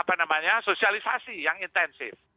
apa namanya sosialisasi yang intensif